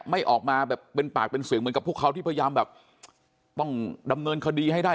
ไม่ออกมาแบบเป็นปากเป็นเสียงเหมือนกับพวกเขาที่พยายามแบบต้องดำเนินคดีให้ได้